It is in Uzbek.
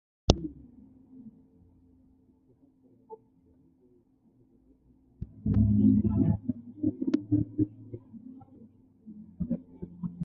Ikki haftalardan keyin “Davis Cargo”da kompaniya asoschisining oʻzidan ish oʻrganishni boshladim.